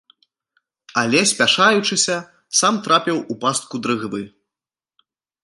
Але, спяшаючыся, сам трапіў у пастку дрыгвы.